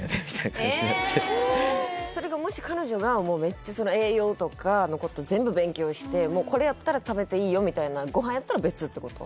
それがもし彼女がめっちゃ栄養とかのこと全部勉強してこれやったら食べていいよみたいなご飯やったら別ってこと？